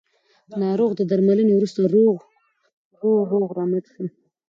ناروغ د درملنې وروسته ورو ورو روغ رمټ شو